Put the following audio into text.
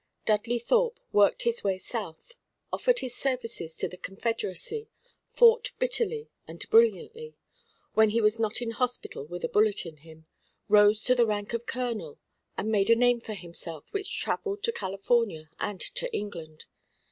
Dudley Thorpe worked his way South, offered his services to the Confederacy, fought bitterly and brilliantly, when he was not in hospital with a bullet in him, rose to the rank of colonel, and made a name for himself which travelled to California and to England.